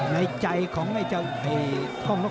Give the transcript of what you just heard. ในใจของการทำคะลองร้าย